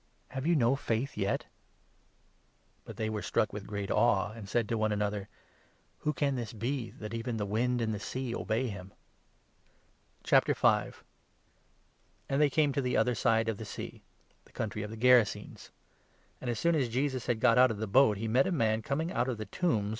"Have you 40 no faith yet ?" But they were struck with great awe, and said to one another: 41 " Who can this be that even the wind and the sea obey him ?" cur* or a And they came to the other side of the Sea — i Madman, the country of the Gerasenes ; and, as soon as 2 Jesus had got out of the boat, he met a man coming out of 39 Joel 3.